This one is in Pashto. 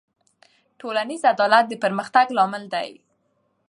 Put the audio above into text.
ټولنیز عدالت د پرمختګ لامل دی.